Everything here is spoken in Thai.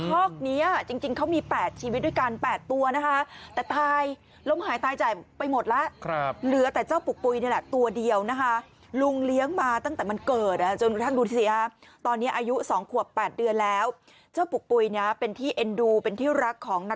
ท่อกนี้จริงเขามี๘ชีวิตด้วยกัน๘ตัวนะคะ